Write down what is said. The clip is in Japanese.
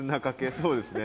そうですね。